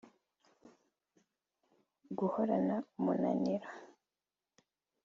Guhorana umunaniro